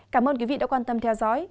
cảm ơn quý vị đã quan tâm theo dõi